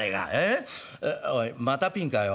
えおいまたピンかよおい。